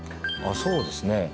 そうですね。